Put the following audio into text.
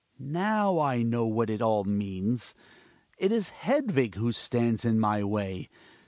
Hjalmar. Now I know what it all means. It is Hed vig who stands in my way.